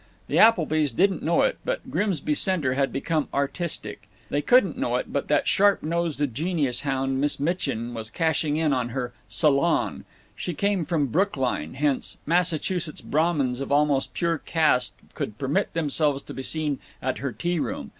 The Applebys didn't know it, but Grimsby Center had become artistic. They couldn't know it, but that sharp nosed genius hound Miss Mitchin was cashing in on her salon. She came from Brookline, hence Massachusetts Brahmins of almost pure caste could permit themselves to be seen at her tea room.